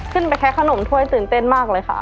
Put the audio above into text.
ไปแค่ขนมถ้วยตื่นเต้นมากเลยค่ะ